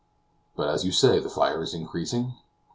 "But, you say the fire is increasing?"